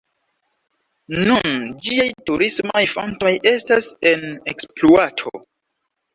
Nun ĝiaj turismaj fontoj estas en ekspluato.